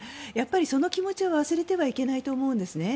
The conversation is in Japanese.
その気持ちを忘れてはいけないと思うんですね。